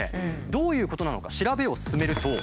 どういうことなのか調べを進めると。